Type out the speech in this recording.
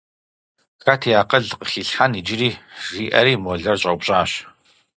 Хэт и акъыл къыхилъхьэн иджыри, – жиӀэри молэр щӀэупщӀащ.